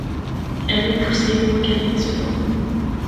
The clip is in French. Elle m’y poussait, moi qu’elle aimait cependant !